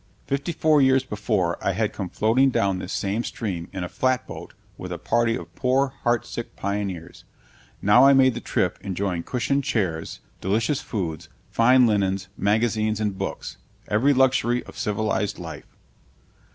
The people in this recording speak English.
Fifty four years before, I had come floating down this same stream in a flatboat with a party of poor, heartsick pioneers; now I made the trip enjoying cushioned chairs, delicious foods, fine linens, magazines and books every luxury of civilized life.